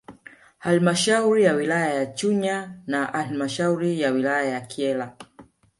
Halmashauri ya wilaya ya Chunya na halmashauri ya wilaya ya Kyela